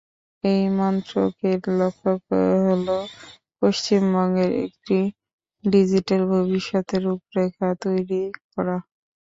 এই মন্ত্রকের লক্ষ্য হল পশ্চিমবঙ্গের একটি ডিজিটাল ভবিষ্যতের রূপরেখা তৈরি করা।